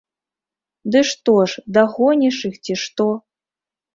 Ды што ж, дагоніш іх, ці што?